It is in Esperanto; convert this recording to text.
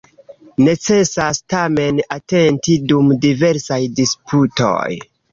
Necesas, tamen, atenti dum diversaj disputoj.